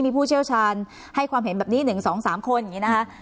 มีผู้เชี่ยวชาญให้ความเห็นแบบนี้๑๒๓คนอย่างนี้นะคะ